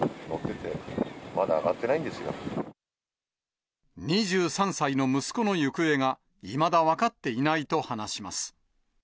息子が船に乗ってて、まだ上２３歳の息子の行方が、いまだ分かっていないと話します。